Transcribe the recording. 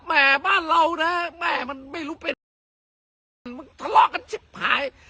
แม่บ้านเรานะแม่มันไม่รู้เป็นอะไรกันมึงทะเลาะกันชิบหาย